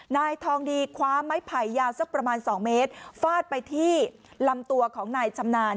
นายทองดีคว้าไม้ไผ่ยาวสักประมาณ๒เมตรฟาดไปที่ลำตัวของนายชำนาญ